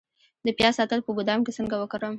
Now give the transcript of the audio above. د پیاز ساتل په ګدام کې څنګه وکړم؟